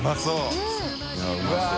うまそう。